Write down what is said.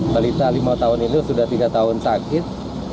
balita lima tahun ini sudah tiga tahun sakit